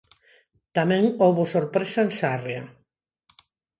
Tamén houbo sorpresa en Sarria.